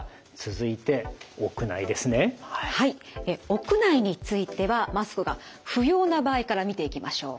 屋内についてはマスクが不要な場合から見ていきましょう。